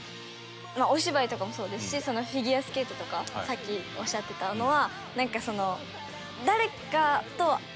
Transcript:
お芝居とかもそうですしフィギュアスケートとかさっきおっしゃってたのはなんかその。